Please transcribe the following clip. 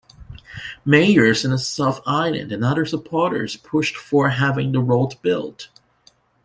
Mayors in the South Island and other supporters pushed for having the road built.